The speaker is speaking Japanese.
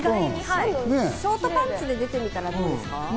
ショートパンツで出てみたらどうですか？